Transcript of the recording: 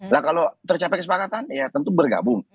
lah kalau tercapai kesepakatan ya tentu bergabung